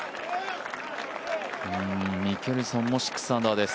ミケルソンも６アンダーです。